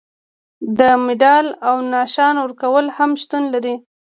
د مډال او نښان ورکول هم شتون لري.